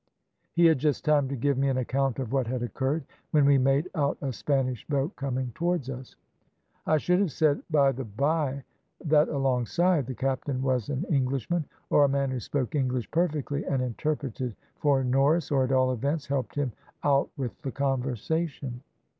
"He had just time to give me an account of what had occurred, when we made out a Spanish boat coming towards us. "I should have said by the bye that alongside the captain was an Englishman, or a man who spoke English perfectly, and interpreted for Norris or at all events, helped him out with the conversation.